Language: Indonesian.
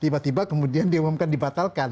tiba tiba kemudian diumumkan dibatalkan